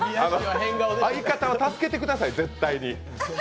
相方は助けてください、絶対に。